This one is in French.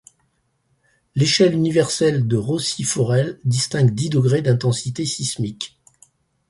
L'échelle universelle de Rossi-Forel distingue dix degrés d'intensité sismique.